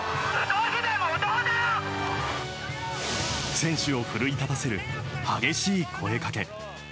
選手を奮い立たせる激しい声掛け。